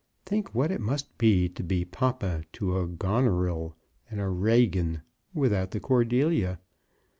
Think what it must be to be papa to a Goneril and a Regan, without the Cordelia.